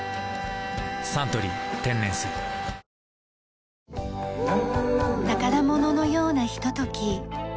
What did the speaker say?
「サントリー天然水」宝物のようなひととき。